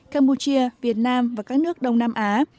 cambodia việt nam và các nước đông nam á